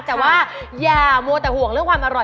แต่ว่าอย่ามัวแต่ห่วงเรื่องความอร่อย